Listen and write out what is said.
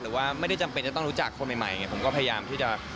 หรือว่าไม่ได้จำเป็นจะต้องรู้จักคนใหม่ผมก็พยายามที่จะ